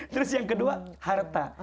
terus yang kedua harta